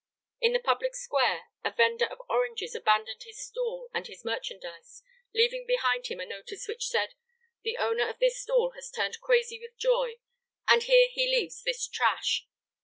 In the public square, a vender of oranges abandoned his stall and his merchandise, leaving behind him a notice which said: "The owner of this stall has turned crazy with joy, and here he leaves this trash."